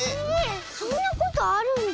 そんなことあるんだ。